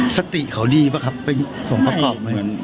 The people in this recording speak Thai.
สติเขาดีป่ะเป็นสงครองขอบไหม